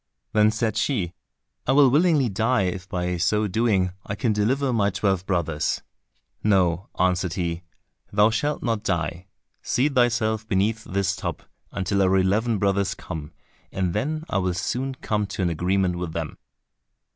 Then said she, "I will willingly die, if by so doing I can deliver my twelve brothers." "No," answered he, "thou shalt not die, seat thyself beneath this tub until our eleven brothers come, and then I will soon come to an agreement with them."